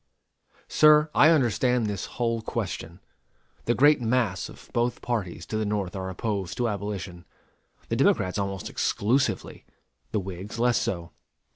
Sir, I understand this whole question. The great mass of both parties to the North are opposed to abolition: the Democrats almost exclusively; the Whigs less so.